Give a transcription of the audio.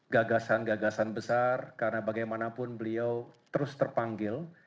gagasan gagasan besar karena bagaimanapun beliau terus terpanggil